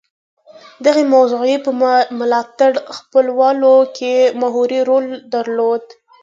دغې موضوع په ملاتړ خپلولو کې محوري رول درلود